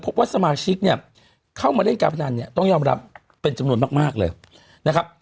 ว่าสมาชิกเนี่ยเข้ามาเล่นการพนันเนี่ยต้องยอมรับเป็นจำนวนมากเลยนะครับ